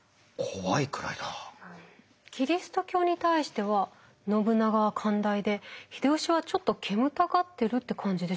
キリスト教に対しては信長は寛大で秀吉はちょっと煙たがってるって感じでしょうか？